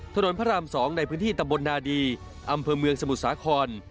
พระราม๒ในพื้นที่ตำบลนาดีอำเภอเมืองสมุทรสาคร